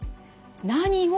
「何を」